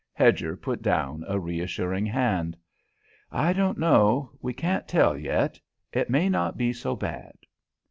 Hedger put down a reassuring hand. "I don't know. We can't tell yet. It may not be so bad."